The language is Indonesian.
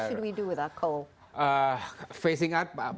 apa yang harus kita lakukan dengan perangkat itu